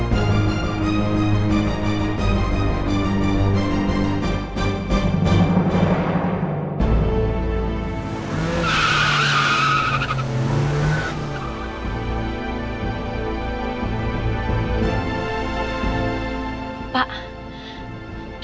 pak bisa lebih cepet lagi pak